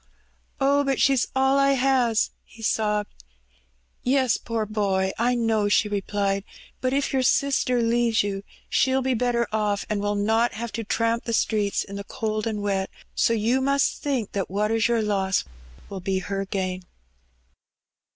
Oh, but she's all I has," he sobbed. Yes, poor boy, I know," she replied. ^' But if your sister leaves you she'll be better oflf, and will not have to tramp the streets in the cold and wet; so you must think that what is your loss will be her gain."